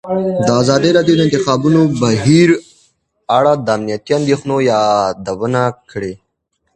ازادي راډیو د د انتخاباتو بهیر په اړه د امنیتي اندېښنو یادونه کړې.